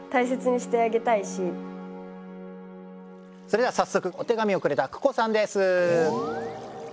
それでは早速お手紙をくれたＫＵＫＯさんです。